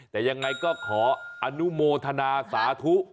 แต่ยังไงก็ขออนุโมทนาสาธุ